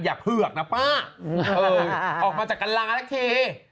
อย่าเผือกนะป้าออกมาจากการราละที